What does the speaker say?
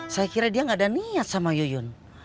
saya kira dia gak ada niat sama yuyun